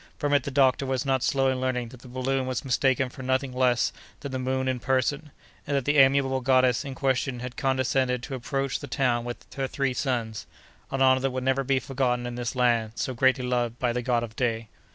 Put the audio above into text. From it the doctor was not slow in learning that the balloon was mistaken for nothing less than the moon in person, and that the amiable goddess in question had condescended to approach the town with her three sons—an honor that would never be forgotten in this land so greatly loved by the god of day.